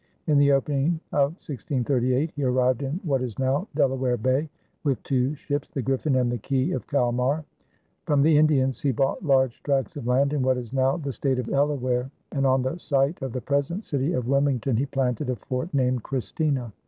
In the opening of 1638, he arrived in what is now Delaware Bay with two ships, the Griffin and the Key of Kalmar. From the Indians he bought large tracts of land in what is now the State of Delaware, and on the site of the present city of Wilmington he planted a fort named Christina.